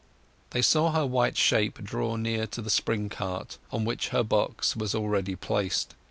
They saw her white shape draw near to the spring cart, on which her box was already placed.